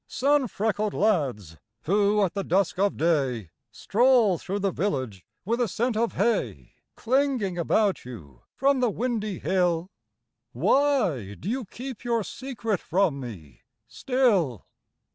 Sun freckled lads, who at the dusk of day Stroll through the village with a scent of hay Clinging about you from the windy hill, Why do you keep your secret from me still?